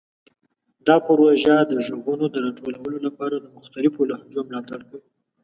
دا پروژه د غږونو د راټولولو لپاره د مختلفو لهجو ملاتړ کوي.